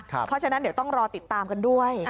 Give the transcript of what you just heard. เพราะฉะนั้นเดี๋ยวต้องรอติดตามกันด้วย